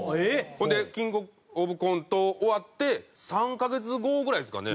ほんでキングオブコント終わって３カ月後ぐらいですかね